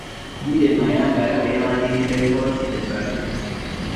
Willy Mayambala bw'awandikidde kkooti ebbaluwa